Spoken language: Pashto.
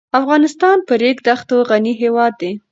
افغانستان په ریګ دښتو غني هېواد دی.